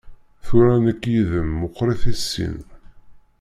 Tura nekk yid-m meqqrit i sin.